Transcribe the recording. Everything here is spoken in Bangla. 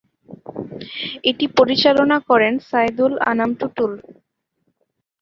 এটি পরিচালনা করেন সাইদুল আনাম টুটুল।